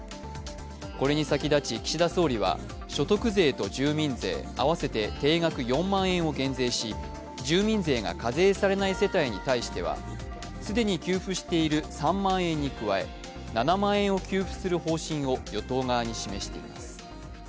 これに先立ち岸田総理は、所得税と住民税合わせて定額４万円を減税し、住民税が課税されない世帯に対しては既に給付している３万円に加え、７万円を給付する方針を与党側に示しています。